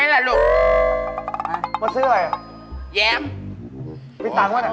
อยากซื้อยาบ